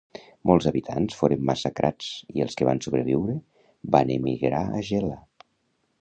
Molts habitants foren massacrats i els que van sobreviure van emigrar a Gela.